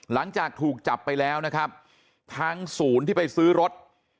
หลังจากถูกจับไปแล้วนะครับทางศูนย์ที่ไปซื้อรถ